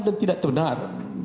dan tidak terbenar